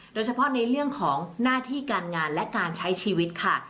โดยเฉพาะในเรื่องของหน้าที่การงานและการใช้ชีวิตค่ะ